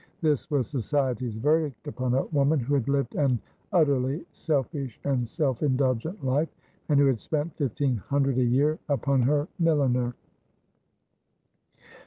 This was society's verdict upon a woman Avho had lived an utterly selfish and self indulgent life, and who had spent fifteen hundred a year upon her milliner.